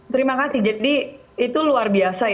terima kasih jadi itu luar biasa ya